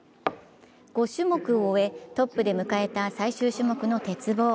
５種目を終え、トップで迎えた最終種目の鉄棒。